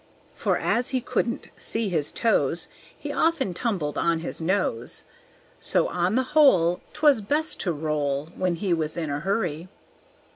For as he couldn't see his toes, He often tumbled on his nose; So, on the whole, 'Twas best to roll When he was in a hurry.